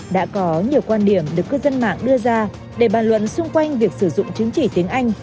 đã có nhiều quan điểm được cư dân mạng đưa ra để bàn luận xung quanh việc sử dụng chứng chỉ tiếng anh